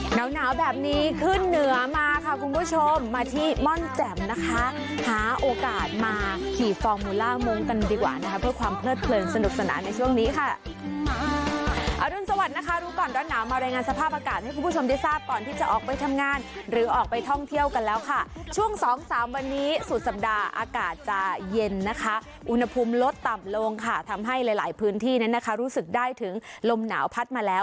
เหนาเหนาแบบนี้ขึ้นเหนือมาค่ะคุณผู้ชมมาที่ม่อนแจ่มนะคะหาโอกาสมาขี่ฟอร์มูลล่ามุมกันดีกว่านะคะเพื่อความเพลิดเผลินสนุกสนานในช่วงนี้ค่ะอรุณสวัสดิ์นะคะรู้ก่อนด้อนหนาวมารายงานสภาพอากาศให้คุณผู้ชมได้ทราบก่อนที่จะออกไปทำงานหรือออกไปท่องเที่ยวกันแล้วค่ะช่วงสองสามวันนี้สุดสัปดาห์อากาศจะ